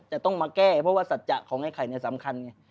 จะต้องมาแก้เพราะว่าสัจจะของไอ้ไข่เนี่ยสำคัญไง